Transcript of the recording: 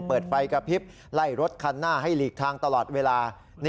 เปิดไฟกระพริบไล่รถคันหน้าให้หลีกทางตลอดเวลา